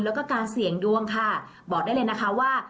แล้วก็การเสี่ยงดวงค่ะบอกได้เลยนะคะว่า